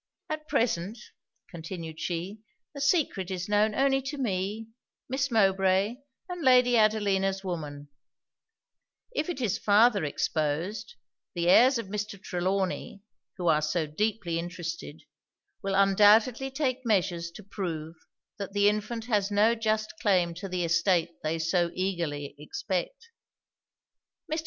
'At present,' continued she, 'the secret is known only to me, Miss Mowbray, and Lady Adelina's woman; if it is farther exposed, the heirs of Mr. Trelawny, who are so deeply interested, will undoubtedly take measures to prove that the infant has no just claim to the estate they so eagerly expect. Mr.